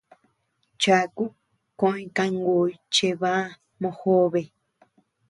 Chaku koʼoñ kangùy chebá mojobe.